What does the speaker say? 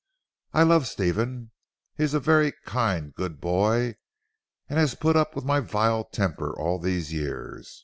I love Stephen. He is a kind, good boy, and has put up with my vile temper all these years.